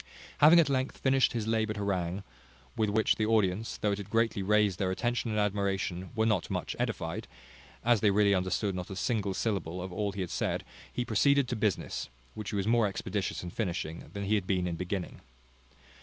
Having at length finished his laboured harangue, with which the audience, though it had greatly raised their attention and admiration, were not much edified, as they really understood not a single syllable of all he had said, he proceeded to business, which he was more expeditious in finishing, than he had been in beginning.